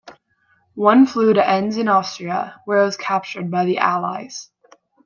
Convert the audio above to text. One flew to Enns in Austria, where it was captured by the Allies.